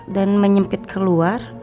dan menyempit keluar